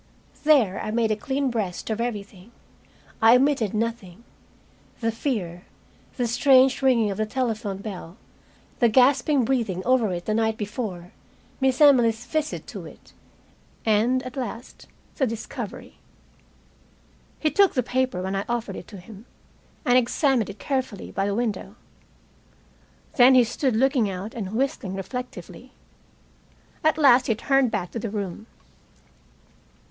There I made a clean breast of everything I omitted nothing. The fear, the strange ringing of the telephone bell; the gasping breathing over it the night before; Miss Emily's visit to it. And, at last, the discovery. He took the paper when I offered it to him, and examined it carefully by a window. Then he stood looking out and whistling reflectively. At last he turned back to the room.